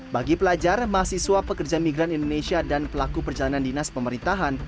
bagi pelajar mahasiswa pekerja migran indonesia dan pelaku perjalanan dinas pemerintahan